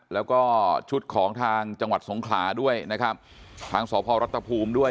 แล้วก็ชุดของทางจังหวัดสงขลาด้วยนะครับทางสพรัฐภูมิด้วย